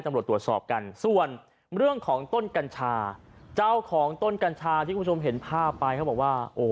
ถ้าเกิดเขาบ้าเขาก็ต้องกินยา